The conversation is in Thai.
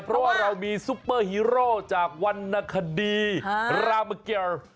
เพราะว่าเรามีซุปเปอร์ฮีโร่จากวรรณคดีรามเกียว